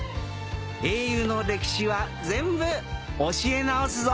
英雄の歴史は全部教え直すぞ。